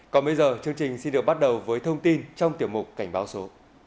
còn bây giờ chương trình xin được bắt đầu với thông tin trong tiểu mục cảnh báo số